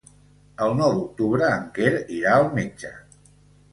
El nou d'octubre en Quer irà al metge.